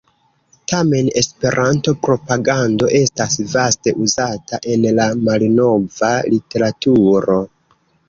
Tamen "Esperanto-propagando" estas vaste uzata en la malnova literaturo.